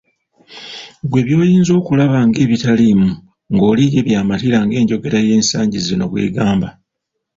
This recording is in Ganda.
Ggwe by'oyinza okulaba ng'ebitaliimu ng'oli ye by'amatira ng'enjogera y'ensangi zino bwe gamba.